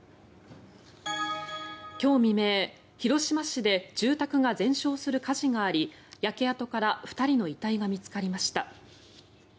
今日未明、広島市で住宅が全焼する火事があり焼け跡から２人の遺体が見つかりました。